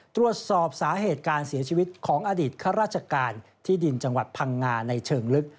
ตรวจสอบสาเหตุการเสียชีวิตของอดีตข้าราชการที่ดินจังหวัดพังงาในเชิงลึก